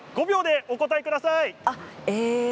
５秒でお答えください。